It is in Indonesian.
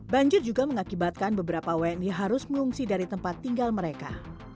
banjir juga mengakibatkan beberapa wni harus mengungsi dari tempat tinggal mereka